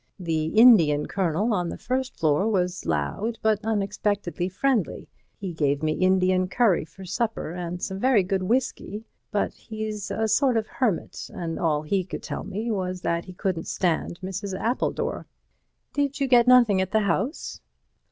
The Indian Colonel on the first floor was loud, but unexpectedly friendly. He gave me Indian curry for supper and some very good whisky, but he's a sort of hermit, and all he could tell me was that he couldn't stand Mrs. Appledore." "Did you get nothing at the house?"